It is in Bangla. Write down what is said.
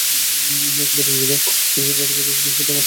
আমরা এখন প্রতিবেশীদের সাথে কথা বলতে যাচ্ছি।